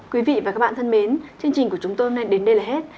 quý vị và các bạn thân mến chương trình của chúng tôi hôm nay đến đây là hết